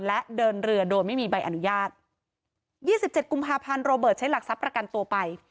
และเดินเรือโดยไม่มีใบอนุญาต๒๗กุมภาพันธ์โรเบิร์ตใช้หลักทรัพย์ประกันตัวไป